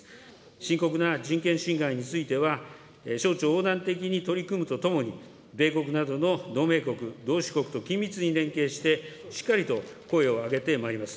深刻な人権侵害については、省庁横断的に取り組むとともに、米国などの同盟国、同志国と緊密に連携して、しっかりと声を上げてまいります。